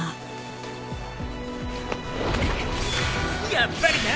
やっぱりな。